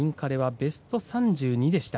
ベスト３２でした。